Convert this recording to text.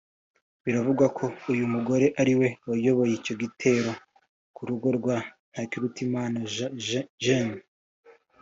Biravugwa ko uyu mugore ari we wayoboye icyo gitero ku rugo rwa Ntakirutimana Jean